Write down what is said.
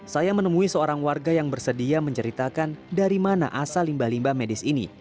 saya menemui seorang warga yang bersedia menceritakan dari mana asal limbah limbah medis ini